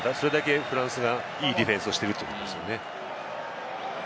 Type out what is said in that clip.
それだけフランスがいいディフェンスをしているということですね。